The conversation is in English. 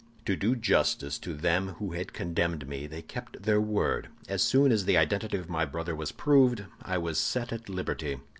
"To do justice to them who had condemned me, they kept their word. As soon as the identity of my brother was proved, I was set at liberty.